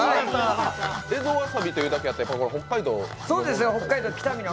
蝦夷わさびというだけあって、北海道の？